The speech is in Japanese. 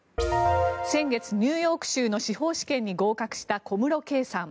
先月、ニューヨーク州の司法試験に合格した小室圭さん。